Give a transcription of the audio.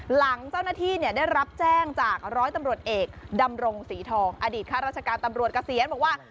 หลังเจ้าหน้าที่ได้รับแจ้งจากร้อยตำรวจเอกดำรงศรีทองอดีตข้าราชการตำรวจเกษียณบอกว่า